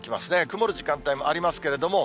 曇る時間帯もありますけれども、